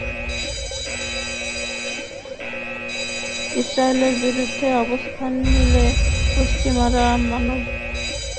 ইসরায়েলের বিরুদ্ধে অবস্থান নিলে পশ্চিমারা মানবাধিকার ইস্যুতে রাজপরিবারকে বেকায়দায় ফেলতে পারে।